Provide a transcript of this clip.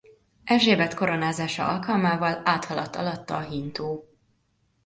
Erzsébet koronázása alkalmával áthaladt alatta a hintó.